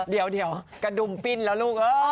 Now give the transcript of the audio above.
เดี๋ยวกระดุมปิ้นแล้วลูก